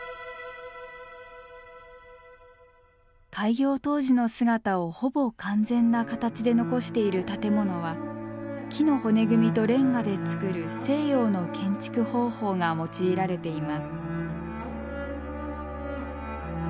開業当時の姿をほぼ完全な形で残している建物は木の骨組みとレンガで造る西洋の建築方法が用いられています。